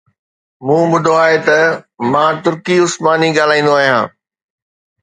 مون ٻڌو آهي ته مان ترڪي عثماني ڳالهائيندو آهيان